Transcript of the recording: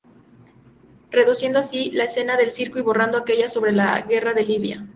Reduciendo así, la escena del circo y borrando aquella sobre la guerra de Libia.